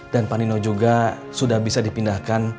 dan panino juga sudah bisa dipindahkan